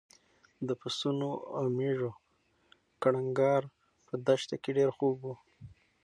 د پسونو او مېږو کړنګار په دښته کې ډېر خوږ و.